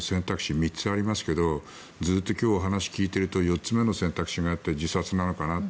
３つありますがずっと今日お話を聞いていると４つ目の選択肢があって自殺なのかなと。